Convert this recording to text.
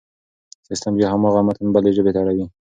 سيستم بيا هماغه متن بلې ژبې ته اړوي.